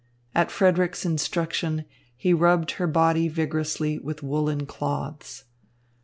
At Frederick's instruction, he rubbed her body vigorously with woollen cloths.